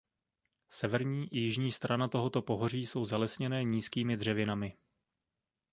Severní i jižní strana tohoto pohoří jsou zalesněné nízkými dřevinami.